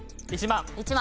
１万。